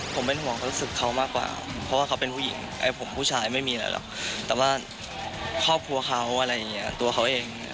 ผมเป็นห่วงเขารู้สึกเขามากกว่าเพราะว่าเขาเป็นผู้หญิงไอ้ผมผู้ชายไม่มีอะไรหรอกแต่ว่าครอบครัวเขาอะไรอย่างนี้ตัวเขาเอง